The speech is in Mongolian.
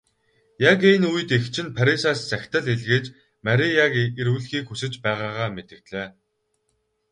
Яг энэ үед эгч нь Парисаас захидал илгээж Марияг ирүүлэхийг хүсэж байгаагаа мэдэгдлээ.